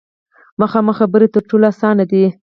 مخامخ خبرې تر ټولو اسانه دي.